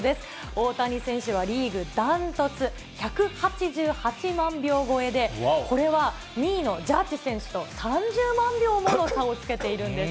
大谷選手はリーグ断トツ１８８万票超えで、これは２位のジャッジ選手と３０万票の差をつけているんです。